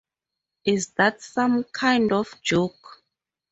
Is that some kind of joke?